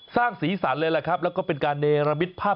สร้างสีสันเลยแล้วก็เป็นการเนรมิตภาพ